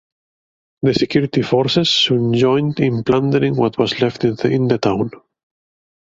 The security forces soon joined in plundering what was left in the town.